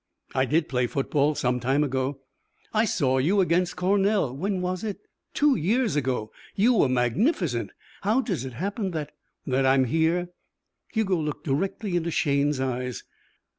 "I did play football some time ago." "I saw you against Cornell when was it? two years ago. You were magnificent. How does it happen that " "That I'm here?" Hugo looked directly into Shayne's eyes.